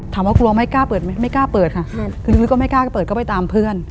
กลัวไม่กล้าเปิดไหมไม่กล้าเปิดค่ะคือนุ้ยก็ไม่กล้าก็เปิดก็ไปตามเพื่อน